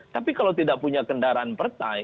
tapi kalau tidak punya kendaraan partai